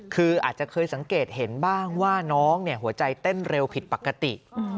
คืออาจจะเคยสังเกตเห็นบ้างว่าน้องหัวใจเต้นเร็วผิดปกติ